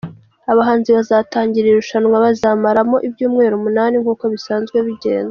Abahanzi bazatangira iri rushanwa bazamaramo ibyumweru umunani nk’uko biswanzwe bigenda.